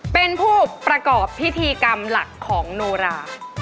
เป็นผู้ประกอบพิธีกรรมหลักของโนรา